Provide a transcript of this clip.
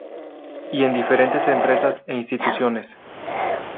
Y en diferentes empresas e instituciones.